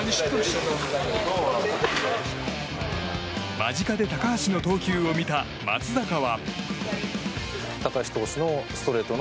間近で高橋の投球を見た松坂は。